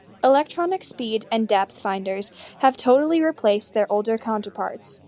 Electronic speed and depth finders have totally replaced their older counterparts.